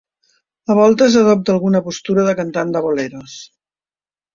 A voltes adopta alguna postura de cantant de boleros.